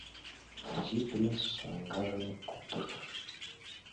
Изи принц саҥгажым куптыртыш: